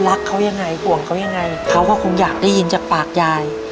รักเขายังไงห่วงเขายังไงเขาก็คงอยากได้ยินจากปากยาย